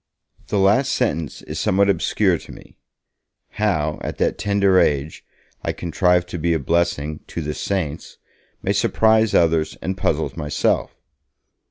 The last sentence is somewhat obscure to me. How, at that tender age, I contrived to be a blessing 'to the saints' may surprise others and puzzles myself.